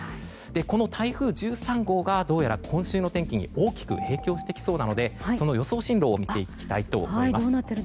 この台風１３号がどうやら今週の天気に大きく影響してきそうなのでその予想進路を見ていきたいと思います。